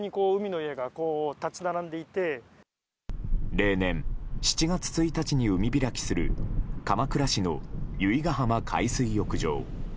例年、７月１日に海開きする鎌倉市の由比ガ浜海水浴場。